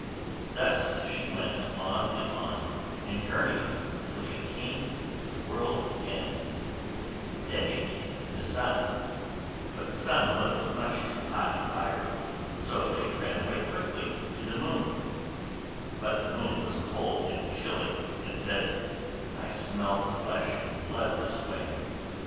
Thus she went on and on, and journeyed till she came to the world's end; then she came to the sun, but the sun looked much too hot and fiery; so she ran away quickly to the moon, but the moon was cold and chilly, and said, 'I smell flesh and blood this way!